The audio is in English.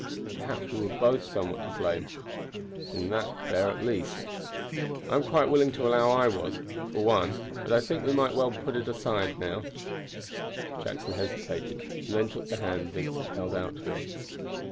Perhaps we were both somewhat to blame in that affair. I am quite willing to allow I was, for one, but I think we might well put it all aside now." Jackson hesitated, and then took the hand Vincent held out to him.